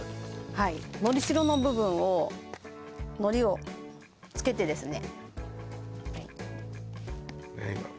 はいのりしろの部分をのりをつけてですね